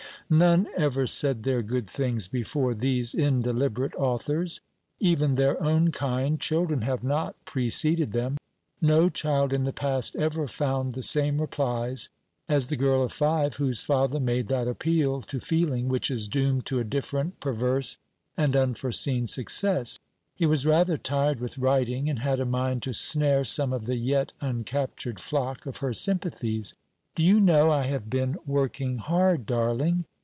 None ever said their good things before these indeliberate authors. Even their own kind children have not preceded them. No child in the past ever found the same replies as the girl of five whose father made that appeal to feeling which is doomed to a different, perverse, and unforeseen success. He was rather tired with writing, and had a mind to snare some of the yet uncaptured flock of her sympathies. "Do you know, I have been working hard, darling?